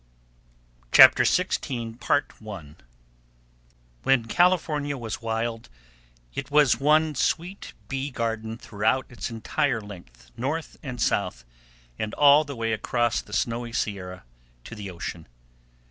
CHAPTER XVI THE BEE PASTURES When California was wild, it was one sweet bee garden throughout its entire length, north and south, and all the way across from the snowy Sierra to the ocean.